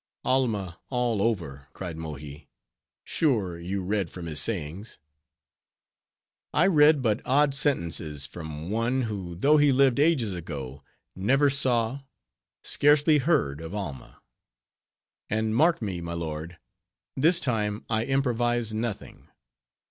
'" "Alma all over," cried Mohi; "sure, you read from his sayings?" "I read but odd sentences from one, who though he lived ages ago, never saw, scarcely heard of Alma. And mark me, my lord, this time I improvise nothing.